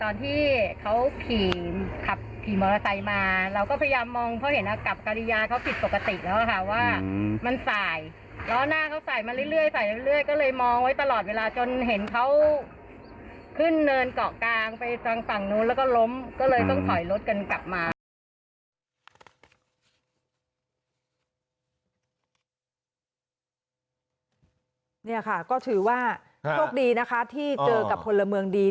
นี่ค่ะก็ถือว่าโชคดีนะคะที่เจอกับพลเมืองดี